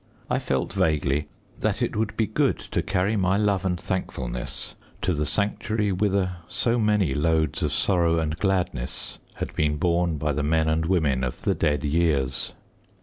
I felt vaguely that it would be good to carry my love and thankfulness to the sanctuary whither so many loads of sorrow and gladness had been borne by the men and women of the dead years.